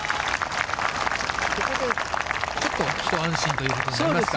ここでちょっと一安心ということになりますか。